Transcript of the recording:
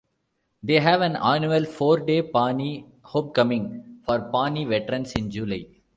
They have an annual four-day Pawnee Homecoming for Pawnee veterans in July.